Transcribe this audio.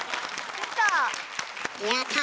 やった。